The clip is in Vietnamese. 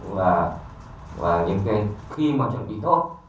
và những cái khi mà chuẩn bị thốt